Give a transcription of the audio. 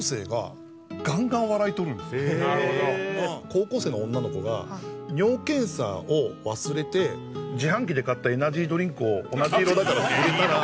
高校生の女の子が尿検査を忘れて自販機で買ったエナジードリンクを同じ色だからって入れたら。